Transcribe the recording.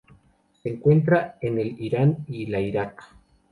Se encuentra en el Irán y la Irak.